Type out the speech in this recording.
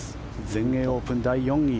全英オープン第４位。